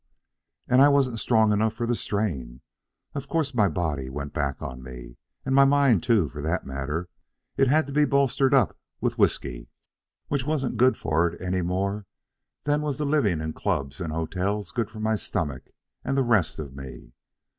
" and I wasn't strong enough for the strain. Of course my body went back on me, and my mind, too, for that matter. It had to be bolstered up with whiskey, which wasn't good for it any more than was the living in clubs and hotels good for my stomach and the rest of me.